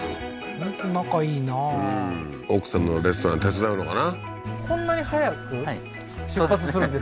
本当仲いいなうん奥さんのレストラン手伝うのかな？